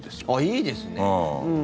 いいですね。